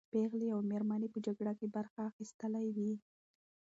پېغلې او مېرمنې په جګړه کې برخه اخیستلې وې.